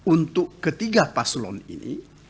untuk ketiga paslon ini